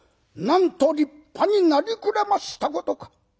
なんと立派になりくれましたことか」。